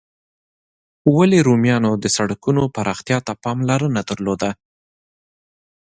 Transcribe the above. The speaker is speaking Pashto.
ولي رومیانو د سړکونو پراختیا ته پاملرنه درلوده؟